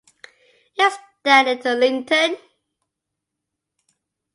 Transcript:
Is that little Linton?